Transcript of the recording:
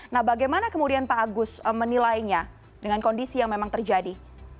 nah bagaimana kemudian pak agus menilainya dengan kondisi yang memang terjadi